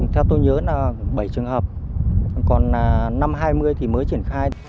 theo tôi nhớ là bảy trường hợp còn năm hai mươi thì mới triển khai